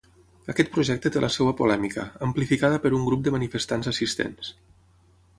Aquest projecte té la seva polèmica, amplificada per un grup de manifestants assistents.